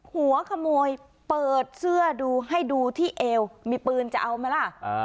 หัวขโมยเปิดเสื้อดูให้ดูที่เอวมีปืนจะเอาไหมล่ะ